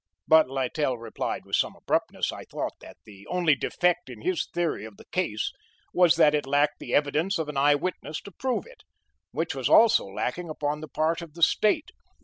but Littell replied with some abruptness, I thought, that the only defect in his theory of the case was that it lacked the evidence of an eye witness to prove it, which was also lacking upon the part of the State.